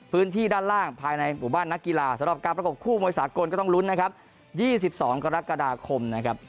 พื้นที่ด้านล่างภายในหมู่บ้านนักกีฬาสำหรับการประกบคู่มวยสากลก็ต้องลุ้นนะครับ๒๒กรกฎาคมนะครับ